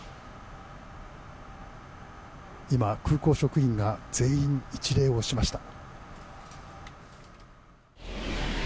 今、空港職員が全員、一礼をしました。